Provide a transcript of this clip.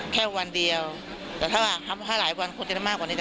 แค่วันเดียวแต่ถ้าหลายวันคงจะได้มากกว่านี้